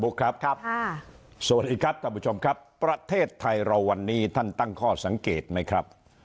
ครับครับสวัสดีครับท่านผู้ชมครับประเทศไทยเราวันนี้ท่านตั้งข้อสังเกตไหมครับ